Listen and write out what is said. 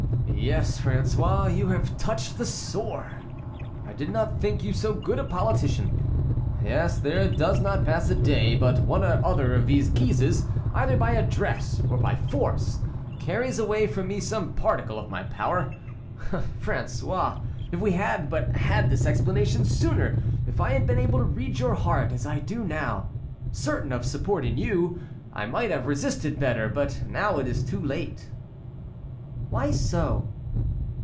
"Yes, François; you have touched the sore. I did not think you so good a politician. Yes, there does not pass a day but one or other of these Guises, either by address or by force, carries away from me some particle of my power. Ah! François, if we had but had this explanation sooner, if I had been able to read your heart as I do now, certain of support in you, I might have resisted better, but now it is too late." "Why so?"